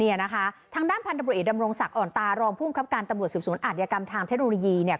เนี่ยนะคะทางด้านพันธบริเอกดำรงศักดิอ่อนตารองภูมิครับการตำรวจสืบสวนอาธิกรรมทางเทคโนโลยีเนี่ย